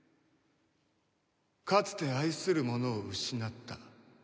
かつて愛する者を失った。